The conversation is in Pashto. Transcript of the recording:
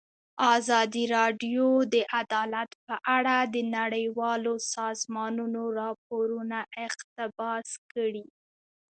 ازادي راډیو د عدالت په اړه د نړیوالو سازمانونو راپورونه اقتباس کړي.